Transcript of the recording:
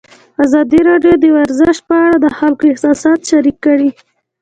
ازادي راډیو د ورزش په اړه د خلکو احساسات شریک کړي.